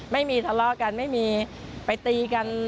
ไม่มีทะเลาะกันไม่มีไปตีกัน